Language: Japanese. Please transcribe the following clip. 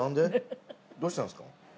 どうしたんですか？